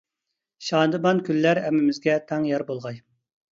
شادىمان كۈنلەر ھەممىمىزگە تەڭ يار بولغاي!